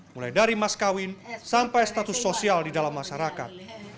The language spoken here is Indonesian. mulai dari maskawin sampai status sosial di dalam masyarakat